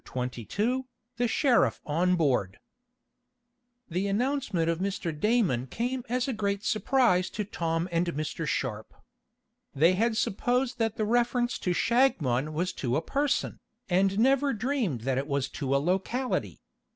Chapter 22 The Sheriff On Board The announcement of Mr. Damon came as a great surprise to Tom and Mr. Sharp. They had supposed that the reference to Shagmon was to a person, and never dreamed that it was to a locality.